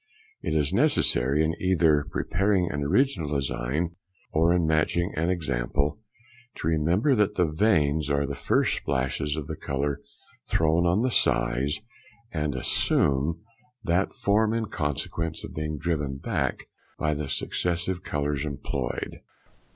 It is necessary, in either preparing an original design or in matching an example, to remember that the veins are the first splashes of colour thrown on the size, and assume that form in consequence of being driven back by the successive colours employed.